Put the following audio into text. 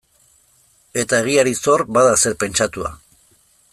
Eta egiari zor, bada zer pentsatua.